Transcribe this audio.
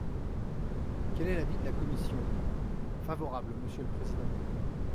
Quel est l’avis de la commission ? Favorable, monsieur le président.